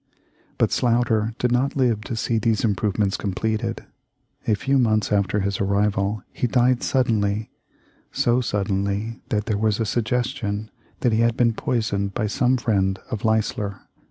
But Sloughter did not live to see these improvements completed. A few months after his arrival he died suddenly, so suddenly that there was a suggestion that he had been poisoned by some friend of Leisler.